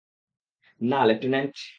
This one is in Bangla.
না, লেফটেন্যান্ট।